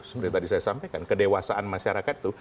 seperti tadi saya sampaikan kedewasaan masyarakat itu